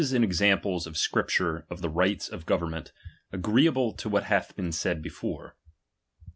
3d examples of scripture of the bights of government, agreeable to what hath been said before.